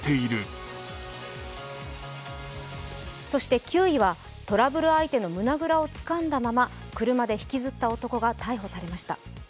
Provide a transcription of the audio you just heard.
そして９位はトラブル相手の胸ぐらをつかんだまま、車で引きずった男が逮捕されました。